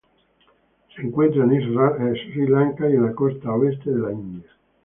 Se encuentra en Sri Lanka y en la costa oeste de la India.